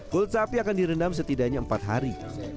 kult sapi akan direndam setidaknya empat hari